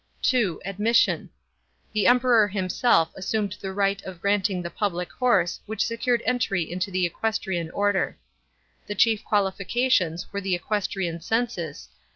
(2) Admission. The Emperor himself assumed the right o. granting the public horse which secured entry into the equestriai order. The chief qualifications were the equestrian census.